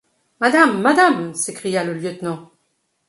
Madame! madame ! s’écria le lieutenant.